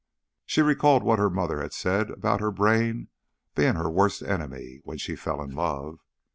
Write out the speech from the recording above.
She recalled what her mother had said about her brain being her worst enemy when she fell in love.